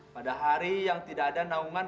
pada hari yang tidak ada naungan